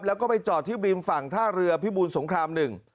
แล้วก็ไปจอดที่ริมฝั่งท่าเรือพิบูรสงครามหนึ่ง